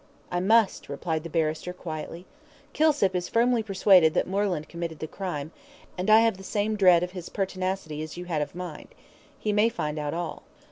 "I must," replied the barrister, quietly. "Kilsip is firmly persuaded that Moreland committed the crime, and I have the same dread of his pertinacity as you had of mine. He may find out all."